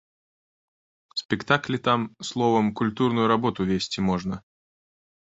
Спектаклі там, словам, культурную работу весці можна.